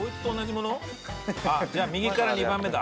じゃあ右から２番目だ。